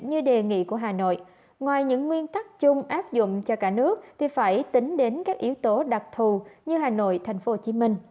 như đề nghị của hà nội ngoài những nguyên tắc chung áp dụng cho cả nước thì phải tính đến các yếu tố đặc thù như hà nội tp hcm